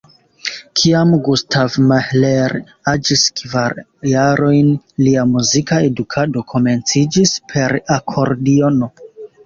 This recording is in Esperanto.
Kiam Gustav Mahler aĝis kvar jarojn, lia muzika edukado komenciĝis per akordiono.